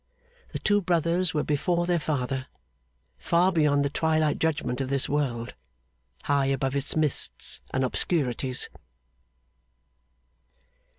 The two brothers were before their Father; far beyond the twilight judgment of this world; high above its mists and obscurities.